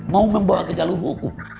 mau membawa ke jalur hukum